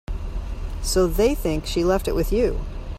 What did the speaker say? So they think she left it with you.